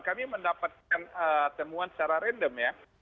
kami mendapatkan temuan secara random ya